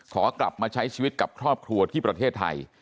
ขอกลับมาใช้ชีวิตกับครอบครัวที่ประเทศไทย